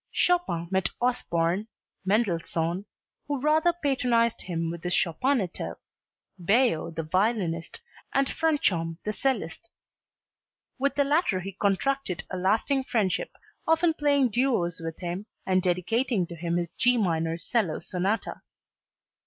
Chopin met Osborne, Mendelssohn who rather patronized him with his "Chopinetto," Baillot the violinist and Franchomme the 'cellist. With the latter he contracted a lasting friendship, often playing duos with him and dedicating to him his G minor 'cello Sonata.